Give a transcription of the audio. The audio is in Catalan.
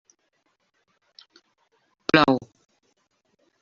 Plou.